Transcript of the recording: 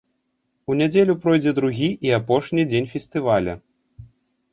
У нядзелю пройдзе другі і апошні дзень фестываля.